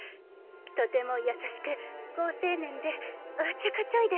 とても優しく好青年でおっちょこちょいで。